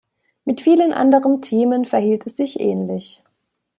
Mit vielen anderen Themen verhielt es sich ähnlich.